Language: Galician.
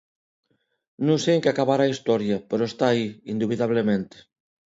Non sei en que acabará a historia, pero está aí, indubidablemente.